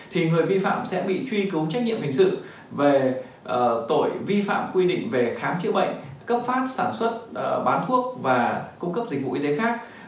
thì người vi phạm sẽ bị truy cứu trách nhiệm hình sự về tội vi phạm quy định về khám chữa bệnh cấp phát sản xuất bán thuốc và cung cấp dịch vụ y tế khác